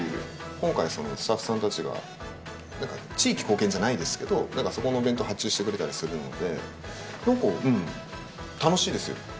今回、スタッフさんたちが、なんか、地域貢献じゃないですけど、なんかそこのお弁当発注してくれたりするので、なんか、楽しいですよ。